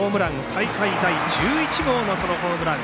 大会第１１号のソロホームラン。